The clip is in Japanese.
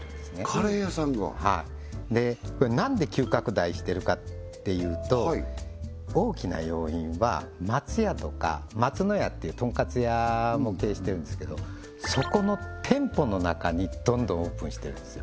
カレー屋さんがはいでなんで急拡大してるかっていうと大きな要因は松屋とか松のやっていうとんかつ屋も経営してるんですけどそこの店舗の中にどんどんオープンしてるんですよ